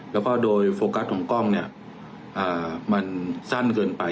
แล้วก็โดยโฟกัสของกล้องเนี่ยมันสั้นเกินไป